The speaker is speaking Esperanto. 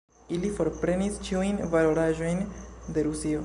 Ili forprenis ĉiujn valoraĵojn de Rusio.